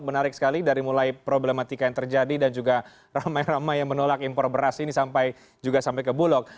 menarik sekali dari mulai problematika yang terjadi dan juga ramai ramai yang menolak impor beras ini sampai juga sampai ke bulog